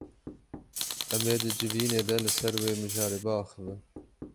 Em ê di civînê de li ser wê mijarê biaxivin.